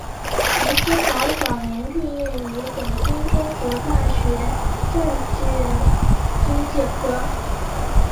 陈希豪早年毕业于北京中国大学政治经济科。